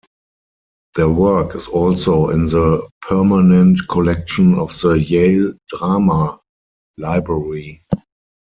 Their work is also in the permanent collection of the Yale Drama Library.